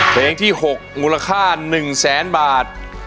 เพลงที่๖มูลค่า๑แสนบาท